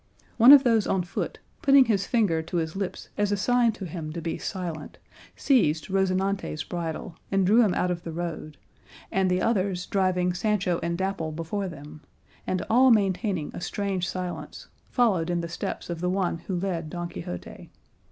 One of those on foot, putting his finger to his lips as a sign to him to be silent, seized Rocinante's bridle and drew him out of the road, and the others driving Sancho and Dapple before them, and all maintaining a strange silence, followed in the steps of the one who led Don Quixote.